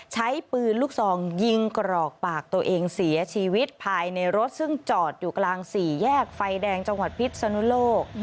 ใช้ปืนลูกซองยิงกรอกปากตัวเองเสียชีวิตภายในรถซึ่งจอดอยู่กลางสี่แยกไฟแดงจังหวัดพิษนุโลก